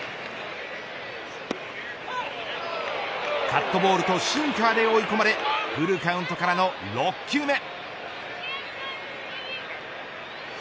カットボールとシンカーで追い込まれフルカウントからの６球目。